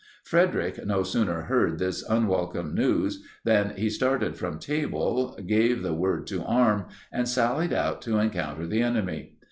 Frederic no sooner heard this unwelcome news, than he started from table, gave the word to arm, and sallied out to encounter the enemy.